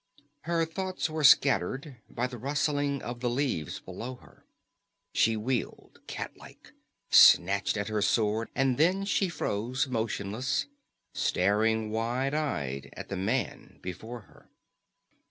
Her thoughts were scattered by the rustling of the leaves below her. She wheeled cat like, snatched at her sword; and then she froze motionless, staring wide eyed at the man before her.